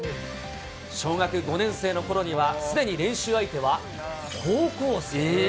小学５年生のころにはすでに練習相手は高校生。